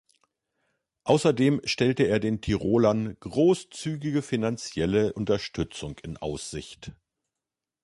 Außerdem stellte er den Tirolern großzügige finanzielle Unterstützung in Aussicht.